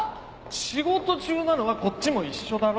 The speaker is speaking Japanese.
仕事中なのはこっちも一緒だろ。